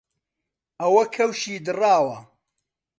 ئەوە کەوشی دڕاوە